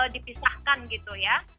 dipisahkan gitu ya